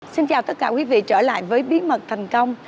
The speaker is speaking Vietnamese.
xin chào tất cả quý vị trở lại với bí mật thành công